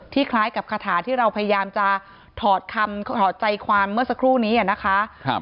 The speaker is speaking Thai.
คล้ายกับคาถาที่เราพยายามจะถอดคำถอดใจความเมื่อสักครู่นี้นะคะ